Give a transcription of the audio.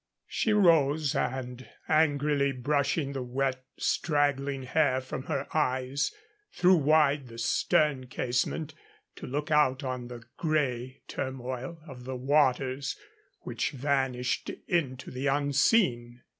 She rose and, angrily brushing the wet, straggling hair from her eyes, threw wide the stern casement to look out on the gray turmoil of waters which vanished into the unseen.